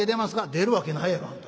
「出るわけないやろあんた。